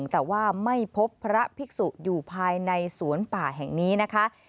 แต่ว่าไม่พบพระภิกษุอยู่ภายในสวนป่าแห่งนี้นะคะ